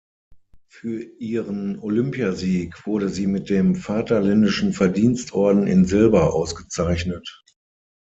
Für ihren Olympiasieg wurde sie mit dem Vaterländischen Verdienstorden in Silber ausgezeichnet.